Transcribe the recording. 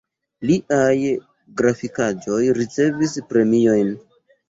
Liaj grafikaĵoj ricevis premiojn.